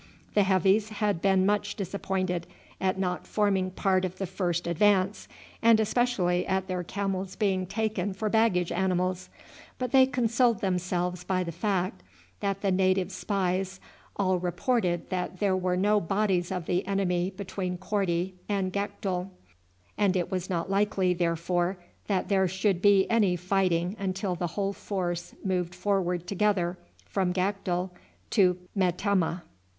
The Heavies had been much disappointed at not forming part of the first advance, and especially at their camels being taken for baggage animals; but they consoled themselves by the fact that the native spies all reported that there were no bodies of the enemy between Korti and Gakdul, and it was not likely therefore that there would be any fighting until the whole force moved forward together from Gakdul to Metemmeh.